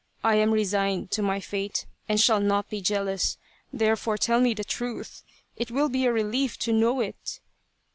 I am resigned to my fate and shall not be jealous, therefore tell me the truth it will be a relief to know it."